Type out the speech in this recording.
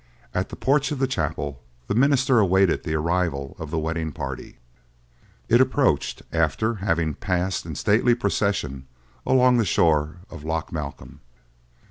At the porch of the chapel the minister awaited the arrival of the wedding party. It approached, after having passed in stately procession along the shore of Loch Malcolm.